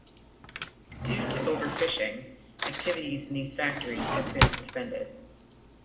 Due to overfishing, activities in these factories have been suspended.